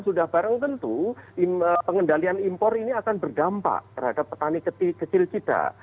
sudah barang tentu pengendalian impor ini akan berdampak terhadap petani kecil kita